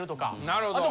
なるほど。